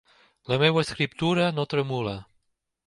La meva escriptura no tremola.